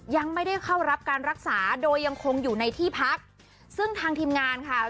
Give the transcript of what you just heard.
ยังไม่ได้เข้ารับการรักษาโดยยังคงอยู่ในที่พักซึ่งทางทีมงานค่ะ